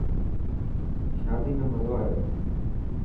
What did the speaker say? شادي ۾ مزو آيو.